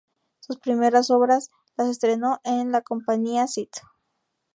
Sus primeras obras las estrenó en la compañía St.